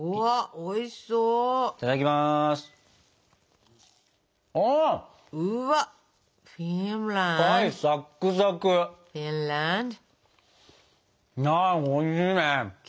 おいしいね。